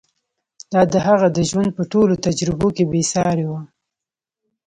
دا د هغه د ژوند په ټولو تجربو کې بې سارې وه.